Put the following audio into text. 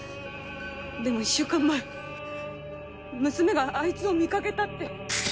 でも１週間前娘があいつを見かけたって。